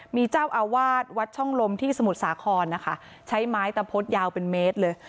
มีเจ้าอาวาสวัดช่องลมที่สมุทรสาครนะคะใช้ไม้ตะพดยาวเป็นเมตรเลย